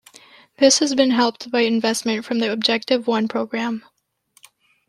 This has been helped by investment from the Objective One programme.